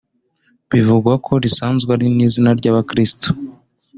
bivugwa ko risanzwe ari n’izina ry’abakristu